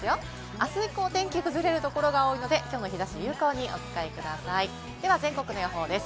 あす以降、天気が崩れるところが多いので、きょうの日差しを有効にお使いください、全国の予報です。